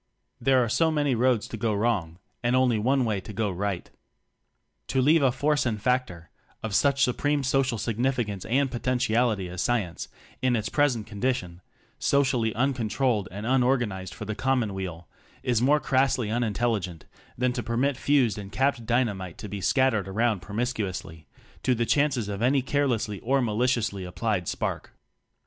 There are so many roads to go wrong, and only one way to go ri^ht. To leave a force and factor of such supreme social significance ;ind potentiality as Science in its present condition socially uncontrolled and unorganized for the commonweal is more crassly unintelligent than to permit fused and capped dynamite to be scattered around promiscuously, to the chances of any carelessly or maliciously applied spark.